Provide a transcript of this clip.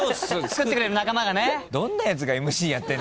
作ってくれる仲間がね。